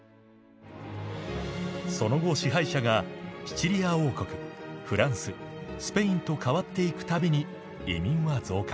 その後支配者がシチリア王国フランススペインと代わっていくたびに移民は増加。